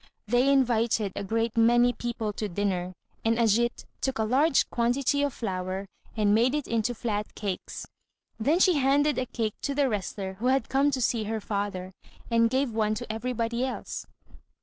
They invited a great many people to dinner, and Ajít took a large quantity of flour and made it into flat cakes. Then she handed a cake to the wrestler who had come to see her father, and gave one to everybody else.